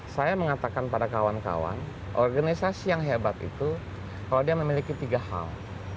saya mengatakan pada kawan kawan organisasi yang hebat itu kalau dia memiliki tiga hal